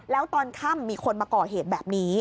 แล้วตอนค่ำมีคนมาก่อเหตุแบบนี้